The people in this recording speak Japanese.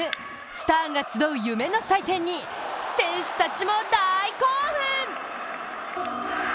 スターが集う夢の祭典に選手たちも大興奮！